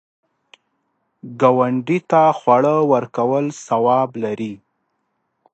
ګاونډي ته خواړه ورکول ثواب لري